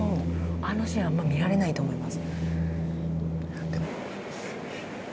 あんなシーン見られないと思います。